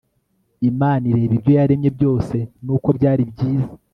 imana ireba ibyo yaremye byose n uko byari byiza